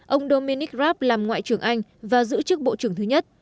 ông dominic raab làm ngoại trưởng anh và giữ chức bộ trưởng thứ nhất